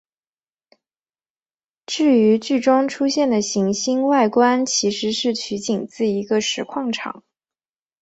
至于剧中出现的行星外观其实是取景自一个石矿场。